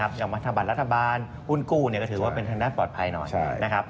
อย่างมาทำบัตรรัฐบาลหุ้นกู้ก็ถือว่าเป็นทางด้านปลอดภัยหน่อยนะครับ